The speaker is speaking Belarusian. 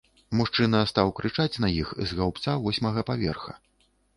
Мужчына стаў крычаць на іх з гаўбца восьмага паверха.